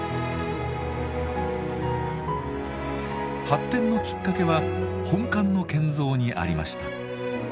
発展のきっかけは本館の建造にありました。